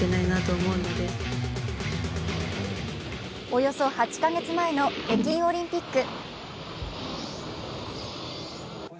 およそ８か月前の北京オリンピック。